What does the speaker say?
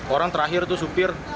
orang terakhir tuh supir